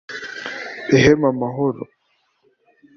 Rehema Mahoro